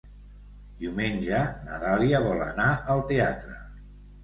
Diumenge na Dàlia vol anar al teatre.